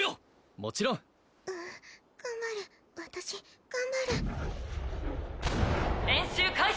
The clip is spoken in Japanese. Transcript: もちろんうう頑張る私頑張る演習開始！